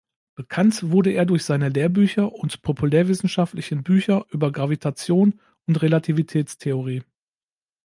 Bekannt wurde er durch seine Lehrbücher und populärwissenschaftlichen Bücher über Gravitation und Relativitätstheorie.